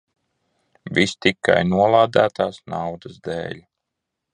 Viss tikai nolādētās naudas dēļ.